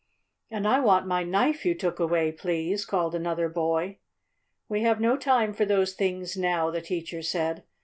"And I want my knife you took away, please!" called another boy. "We have no time for those things, now," the teacher said.